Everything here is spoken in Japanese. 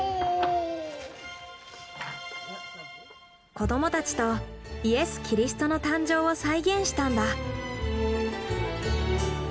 子どもたちとイエス・キリストの誕生を再現したんだ。